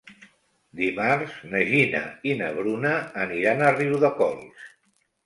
Dimarts na Gina i na Bruna aniran a Riudecols.